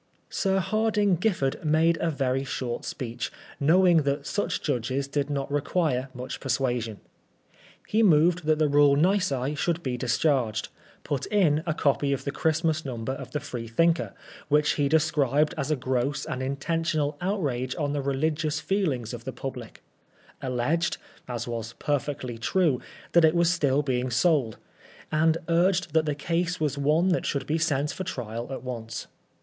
Sir Hardinge Giffard made a very short speech, knowing that such judges did not require much per suasion. He moved that the rule nisi should be dis charged ; put in a copy of the Christmas Number of the Freethinker^ which he described as a gross and intentional outrage on the religious feelings of the public ; alleged, as was perfectly true, that it was still being sold ; and urged that the case was one that should be sent for trial at once.